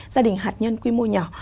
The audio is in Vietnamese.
gia đình hạt nhân quy mô nhỏ